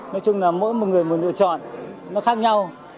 nói chung là mỗi một người muốn lựa chọn nó khác nhau